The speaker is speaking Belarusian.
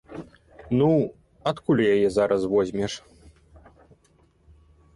Ну, адкуль яе зараз возьмеш?